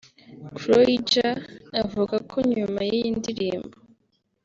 Croidja avuga ko nyuma y’iyi ndirimbo